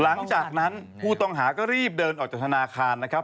หลังจากนั้นผู้ต้องหาก็รีบเดินออกจากธนาคารนะครับ